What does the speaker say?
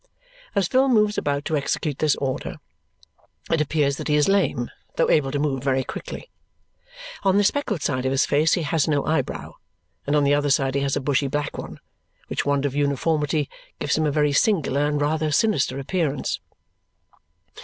As Phil moves about to execute this order, it appears that he is lame, though able to move very quickly. On the speckled side of his face he has no eyebrow, and on the other side he has a bushy black one, which want of uniformity gives him a very singular and rather sinister appearance.